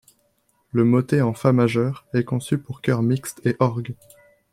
Le motet en fa majeur est conçu pour choeur mixte et orgue.